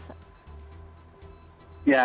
ya kita lihat dulu